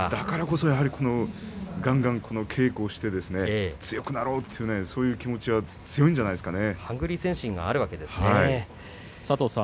だからこそ、がんがん稽古して強くなろうというそういう気持ちが強いんじゃないですかね。